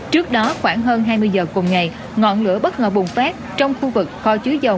trước đó khoảng hơn hai mươi giờ cùng ngày ngọn lửa bất ngờ bùng phát trong khu vực kho chứa dầu